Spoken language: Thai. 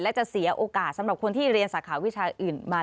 และจะเสียโอกาสสำหรับคนที่เรียนสาขาวิชาอื่นมา